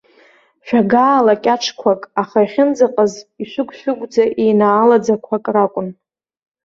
Шәагаала қьаҿқәак, аха иахьынӡаҟаз ишәыгә-шәыгәӡа еинаалаӡақәак ракәын.